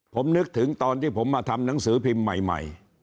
ผมนึกถึงตอนที่ผมมาทำหนังสือพิมพ์ใหม่